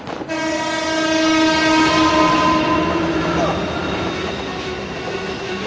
あっ！